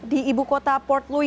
di ibu kota port louis